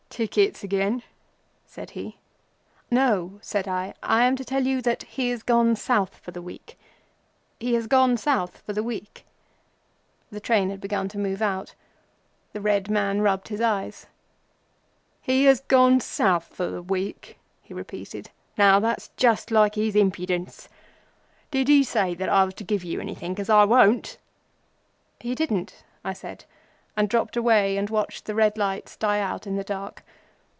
"Tickets again?" said he. "No," said I. "I am to tell you that he is gone South for the week. He is gone South for the week!" The train had begun to move out. The red man rubbed his eyes. "He has gone South for the week," he repeated. "Now that's just like his impudence. Did he say that I was to give you anything?—'Cause I won't." "He didn't," I said and dropped away, and watched the red lights die out in the dark.